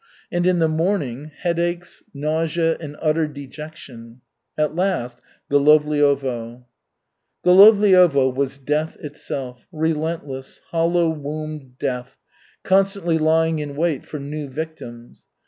And in the morning headaches, nausea, and utter dejection. At last Golovliovo. Golovliovo was death itself, relentless, hollow wombed death, constantly lying in wait for new victims.